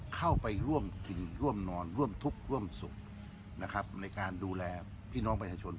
เข้าไปร่วมกินร่วมนอนร่วมทุกข์ร่วมสุขนะครับในการดูแลพี่น้องประชาชน